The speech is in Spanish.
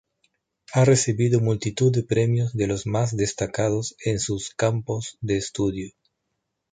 Ha recibido multitud de premios de los más destacados en sus campos de estudio.